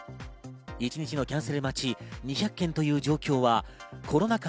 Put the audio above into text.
一日のキャンセル待ち２００件という状況はコロナ禍